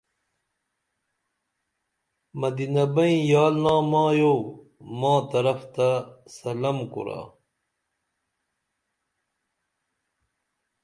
مدینہ بئیں یال نامایو ما طرف تہ سلم کُرا